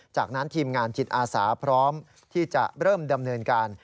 จากนั้นทีมงานจิตอาสาพร้อมที่จะเริ่มดำเนินการ